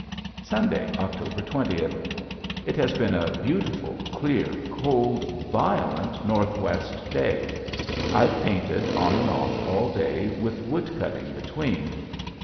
Sunday, October twentieth. It has been a beautiful, clear, cold, violent northwest day. I've painted on and off all day with wood cutting between.